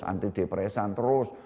anti depresan terus